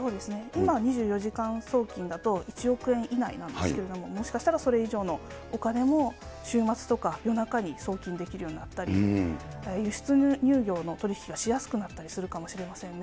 今、２４時間送金だと１億円以内なんですけれども、もしかしたらそれ以上のお金も、週末とか夜中に送金できるようになったり、輸出入業の取り引きがしやすくなったりするかもしれませんね。